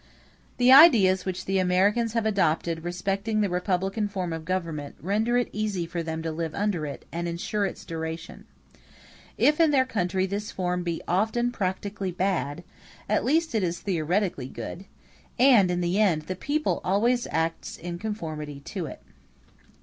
The ideas which the Americans have adopted respecting the republican form of government, render it easy for them to live under it, and insure its duration. If, in their country, this form be often practically bad, at least it is theoretically good; and, in the end, the people always acts in conformity to it.